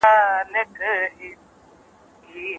دا کیسه د بدلون پیل ښيي.